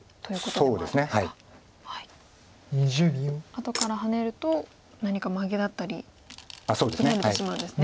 後からハネると何かマゲだったり切られてしまうんですね。